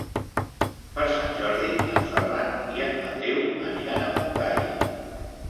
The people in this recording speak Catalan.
Per Sant Jordi en Ferran i en Mateu aniran a Montgai.